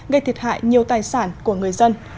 gây thiệt hại nhiều tài sản của người dân